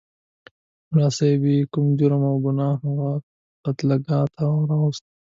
ملا صاحب بې کوم جرم او ګناه هغه قتلګاه ته راوست.